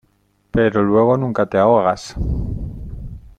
pero luego nunca te ahogas.